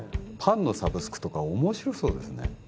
パンのサブスクとか面白そうですね